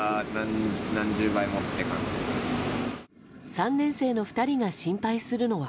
３年生の２人が心配するのは。